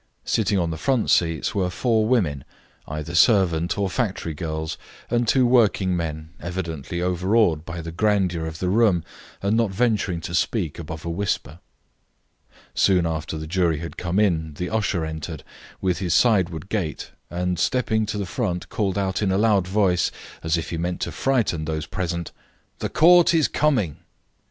Sitting on the front seats were four women, either servant or factory girls, and two working men, evidently overawed by the grandeur of the room, and not venturing to speak above a whisper. Soon after the jury had come in the usher entered, with his sideward gait, and stepping to the front, called out in a loud voice, as if he meant to frighten those present, "The Court is coming!"